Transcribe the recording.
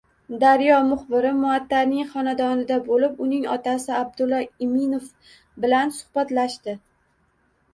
“Daryo” muxbiri Muattarning xonadonida bo‘lib, uning otasi Abdulla Iminov bilan suhbatlashdi